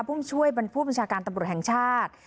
ผู้ช่วยบรรผู้บัญชาการตำรวจแห่งชาติ